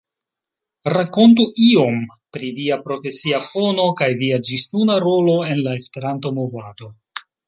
Rakontu iom pri via profesia fono kaj via ĝisnuna rolo en la Esperanto-Movado!